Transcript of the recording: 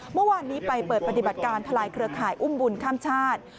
เมื่อวานนี้ไปเปิดปฏิบัติการทลายเครือข่ายอุ้มบุญข้ามชาติ